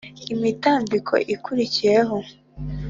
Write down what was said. imitambiko ikurikiyeho T